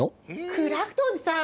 クラフトおじさん